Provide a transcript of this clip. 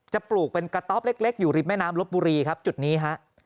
ปลูกเป็นกระต๊อปเล็กอยู่ริมแม่น้ำลบบุรีครับจุดนี้ฮะ